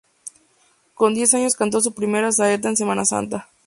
Con diez años cantó su primera saeta en Semana Santa.